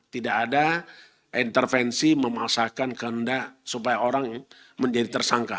tidak ada intervensi memasakkan keendah supaya orang menjadi tersangka